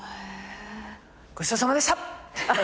ごちそうさまでした。